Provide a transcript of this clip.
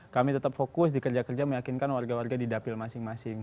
kami tetap fokus di kerja kerja meyakinkan warga warga di dapil masing masing